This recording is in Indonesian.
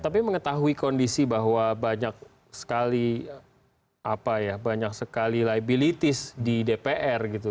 tapi mengetahui kondisi bahwa banyak sekali banyak sekali liabilitis di dpr gitu